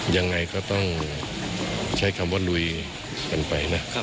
ยังไงก็ต้องใช้คำว่าลุยกันไปนะ